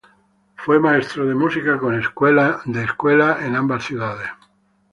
Fue maestro de música en escuelas de ambas ciudades.